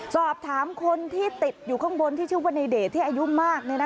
สอบถามคนที่ติดอยู่ข้างบนที่ชื่อว่าในเดชที่อายุมาก